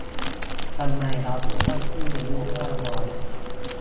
ทำไมเราถึงตั้งชื่อลูกว่าน้อย